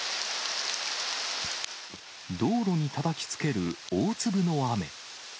道路にたたきつける大粒の雨。